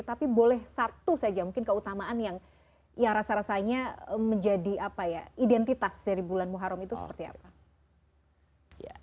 tapi boleh satu saja mungkin keutamaan yang rasa rasanya menjadi identitas dari bulan muharram itu seperti apa